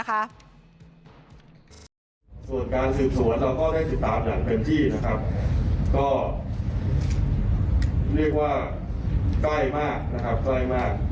ส่วนการสืบสวนเราก็ได้ติดตามอย่างเต็มที่นะครับก็เรียกว่าใกล้มากนะครับใกล้มาก